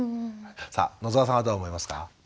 さあ野沢さんはどう思いますか？